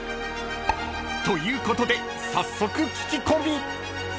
［ということで早速聞き込み］